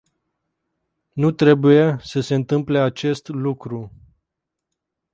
Nu trebuie să se întâmple acest lucru.